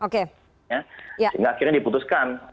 sehingga akhirnya diputuskan